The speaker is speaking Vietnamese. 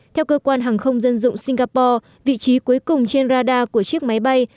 theo cơ quan hàng không dân dụng singapore vị trí cuối cùng trên radar của chiếc máy bay